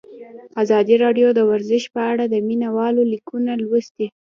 ازادي راډیو د ورزش په اړه د مینه والو لیکونه لوستي.